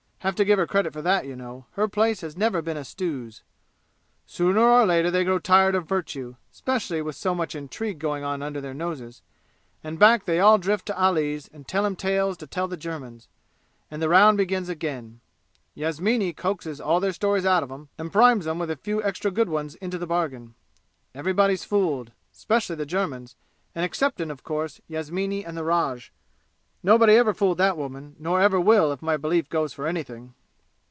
Have to give her credit for that, y'know; her place has never been a stews. Sooner or later they grow tired of virtue, 'specially with so much intrigue goin' on under their noses, and back they all drift to Ali's and tell him tales to tell the Germans and the round begins again. Yasmini coaxes all their stories out of 'em and primes 'em with a few extra good ones into the bargain. Everybody's fooled 'specially the Germans and exceptin', of course, Yasmini and the Raj. Nobody ever fooled that woman, nor ever will if my belief goes for anything!"